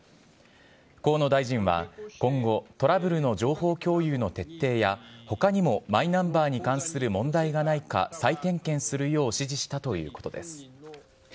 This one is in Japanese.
河野大臣は、今後、トラブルの情報共有の徹底や、ほかにもマイナンバーに関する問題がないか再点検するよう指示したということです。